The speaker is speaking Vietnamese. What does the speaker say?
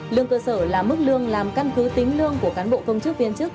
lương cơ sở là mức lương làm căn cứ tính lương của cán bộ công chức viên chức